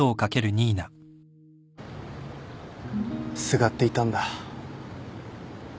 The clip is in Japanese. すがっていたんだ。